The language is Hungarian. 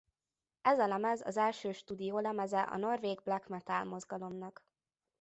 Ez a lemez az első stúdiólemeze a norvég black metal mozgalomnak.